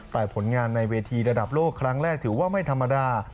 แต่ผลงานในเวทีระดับโลกครั้งแรกถือว่าไม่ธรรมดา